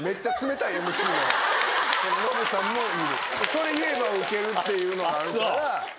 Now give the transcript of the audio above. それ言えばウケるっていうのがあるから。